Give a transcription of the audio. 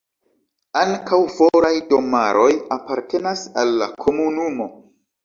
Ankaŭ foraj domaroj apartenas al la komunumo.